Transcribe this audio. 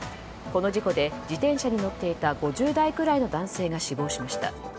この事故で自転車に乗っていた５０代くらいの男性が死亡しました。